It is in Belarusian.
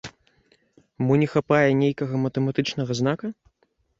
Мо не хапае нейкага матэматычнага знака?